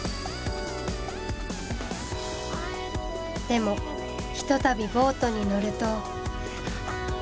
でもひとたびボートに乗ると。